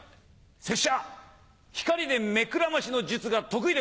拙者光で目くらましの術が得意でござる。